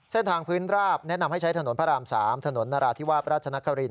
เส้นทางพื้นราบแนะนำให้ใช้ถนนพระราม๓ถนนนราธิวาสราชนคริน